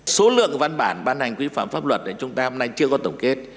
số lượng văn bản ban hành quy phạm pháp luật chúng ta hôm nay chưa có tổng kết